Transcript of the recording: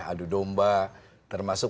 adu domba termasuk